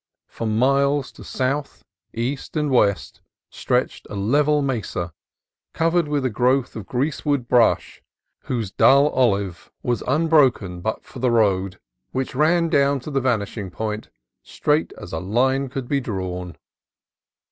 For miles to south, east, and west stretched a level mesa, covered with a growth of greasewood brush whose dull olive was unbroken 48 CALIFORNIA COAST TRAILS but for the road, which ran to the vanishing point straight as a line could be drawn.